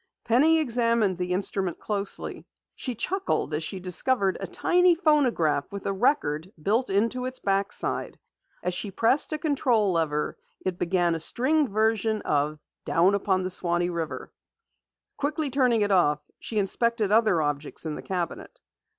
Penny examined the instrument closely. She chuckled as she discovered a tiny phonograph with a record built into its back side. As she pressed a control lever, it began a stringed version of "Down Upon the Swanee River." Quickly turning it off, she inspected other objects in the cabinet.